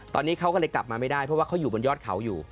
ตอนนี้เขาก็เลยกลับมาไม่ได้เพราะว่าเขาอยู่บนยอดเขาอยู่